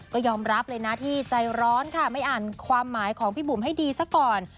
ก็ยอมรับเลยนะที่ใจร้อนค่ะไม่อ่านความหมายของพี่บุ๋มให้ดีซะก่อน